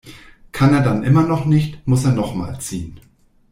Kann er dann immer noch nicht, muss er noch mal ziehen.